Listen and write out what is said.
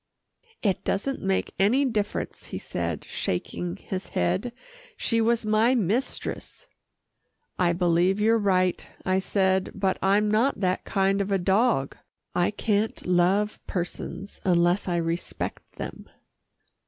"It doesn't make any difference," he said, shaking his head, "she was my mistress." "I believe you're right," I said, "but I'm not that kind of a dog. I can't love persons unless I respect them."